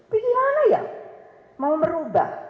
pilihan aja mau merubah